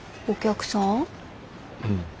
お客さん？